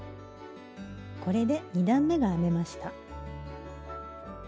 これで２段めが編めました。